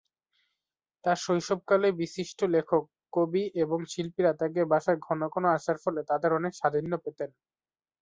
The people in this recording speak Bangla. তাঁর শৈশবকালে বিশিষ্ট লেখক, কবি এবং শিল্পীরা তাদের বাসায় ঘন ঘন আসার ফলে তাদের অনেক সান্নিধ্য পেতেন।